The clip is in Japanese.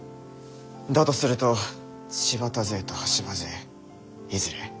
だとすると柴田勢と羽柴勢いずれ。